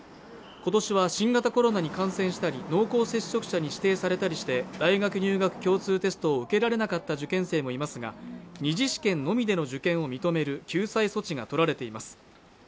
今年は新型コロナに感染したり濃厚接触者に指定されたりして大学入学共通テストを受けられなかった受験生もいますが２次試験のみでの受験を認める救済措置が取られています